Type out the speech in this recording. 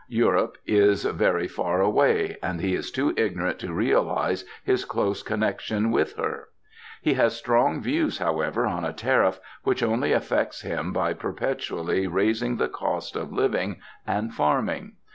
Europe is very far away; and he is too ignorant to realise his close connection with her. He has strong views, however, on a Tariff which only affects him by perpetually raising the cost of living and farming.